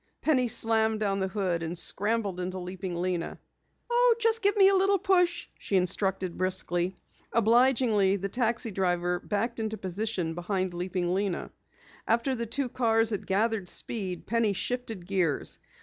Penny slammed down the hood, and scrambled into Leaping Lena. "Just give me a little push," she instructed briskly. Obligingly, the taxi driver backed into position behind Leaping Lena. After the two cars had gathered speed, Penny shifted gears.